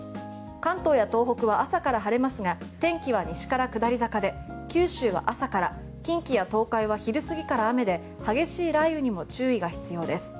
関東や東北は朝から晴れますが天気は西から下り坂で九州は朝から近畿や東海は昼過ぎから雨で激しい雷雨にも注意が必要です。